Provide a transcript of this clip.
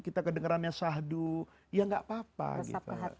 kita kedengerannya sahdu ya gak apa apa gitu